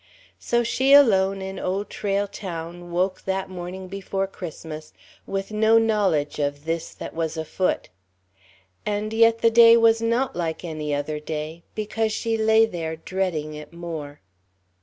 ... So she alone in Old Trail Town woke that morning before Christmas with no knowledge of this that was afoot. And yet the day was not like any other day, because she lay there dreading it more.